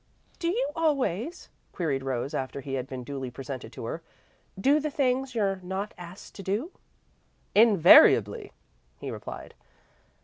"Do you always," queried Rose, after he had been duly presented to her, "do the things you're not asked to do?" "Invariably," he replied.